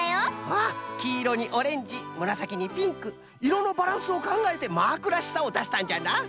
わっきいろにオレンジむらさきにピンクいろのバランスをかんがえてマークらしさをだしたんじゃな。